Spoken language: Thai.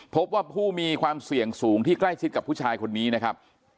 พบว่าผู้มีความเสี่ยงสูงที่ใกล้ชิดกับผู้ชายคนนี้นะครับ